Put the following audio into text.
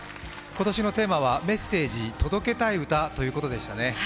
今年のテーマは「メッセージ届けたい歌」ということでしたね。